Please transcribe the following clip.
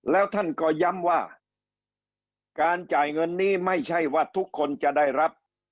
แล้วท่านก็ย้ำว่าการจ่ายเงินนี้ไม่ใช่ว่าทุกคนจะได้รับ